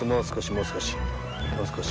もう少しもう少し。